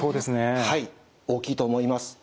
はい大きいと思います。